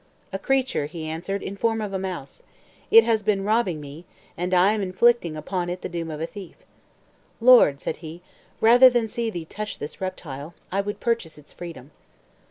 "A creature," he answered, "in form of a mouse. It has been robbing me, and I am inflicting upon it the doom of a thief." "Lord," said he, "rather than see thee touch this reptile, I would purchase its freedom."